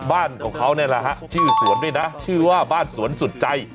บ้านของเขาเนี่ยแหละฮะชื่อสวนด้วยนะชื่อว่าบ้านสวนสุดใจ